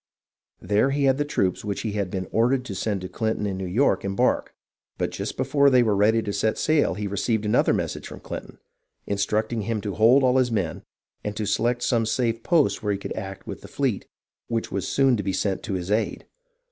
There he had the troops which he had been ordered to send to Clinton in New York embark, but just before they were ready to set sail he received another message from Clinton, instructing him to hold all his men and to select some safe post where he could act with the fleet which was soon to be sent to his aid.